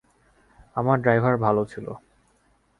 আমার ড্রাইভার ভাল ছিল।